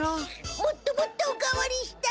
もっともっとおかわりしたい。